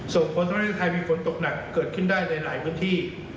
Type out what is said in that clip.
ส่งผลทำให้ไทยมีฝนตกหนักเกิดขึ้นได้ในหลายพื้นที่